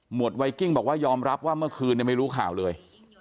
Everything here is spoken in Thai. วดไวกิ้งบอกว่ายอมรับว่าเมื่อคืนไม่รู้ข่าวเลย